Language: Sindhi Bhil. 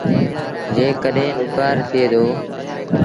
جيڪڏهيݩ ڏُڪآر ٿئي دو۔